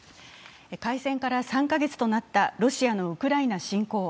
開戦から３カ月となったロシアのウクライナ侵攻。